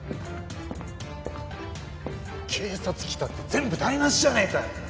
警察来たって全部台無しじゃねえかよ！